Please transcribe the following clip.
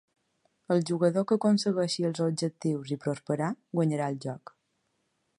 El jugador que aconsegueixi els objectius i prosperar, guanyarà el joc.